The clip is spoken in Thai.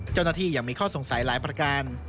เจ้าหน้าที่ยังมีข้อสงสัยหลายประการ